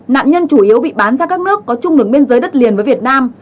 nạn nhân chủ yếu bị bán ra các nước có chung đường biên giới đất liền với việt nam